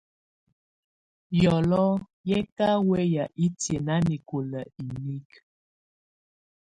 Yɔlɔ yɛ̀ ka wɛya itiǝ́ nanɛkɔla inikǝ.